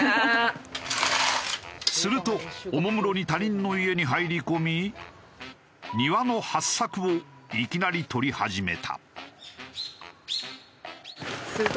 するとおもむろに他人の家に入り込み庭のハッサクをいきなり採り始めた。